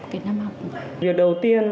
cái năm học việc đầu tiên